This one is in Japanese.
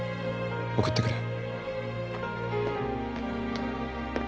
送ってくる。